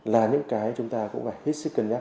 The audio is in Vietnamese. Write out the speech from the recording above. là những cái chúng ta cũng phải hết sức cân nhắc